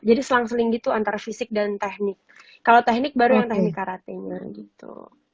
jadi selang seling gitu antara fisik dan teknik kalau teknik baru yang teknik karate nya gitu